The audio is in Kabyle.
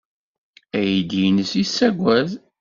Aydi-nnes yessaggad.